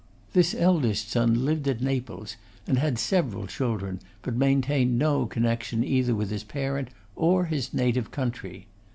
This eldest son lived at Naples, and had several children, but maintained no connection either with his parent or his native country.